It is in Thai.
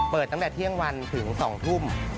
ตั้งแต่เที่ยงวันถึง๒ทุ่ม